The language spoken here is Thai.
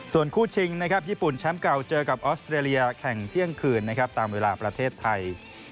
ส่วนคู่ชิงนะครับญี่ปุ่นแชมป์เก่าเจอกับออสเตรเลียแข่งเที่ยงคืนนะครับตามเวลาประเทศไทย